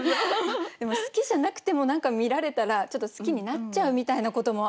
でも好きじゃなくても何か見られたらちょっと好きになっちゃうみたいなことも。